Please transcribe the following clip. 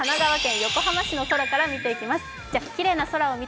現在の神奈川県横浜市の空から見ていきます。